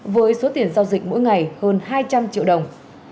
với số tiền giao dịch mỗi ngày hơn hai trăm linh triệu đồng